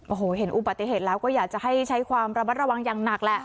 โอ้โหเห็นอุบัติเหตุแล้วก็อยากจะให้ใช้ความระมัดระวังอย่างหนักแหละ